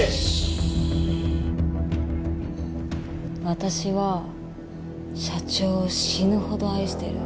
私は社長を死ぬほど愛してる。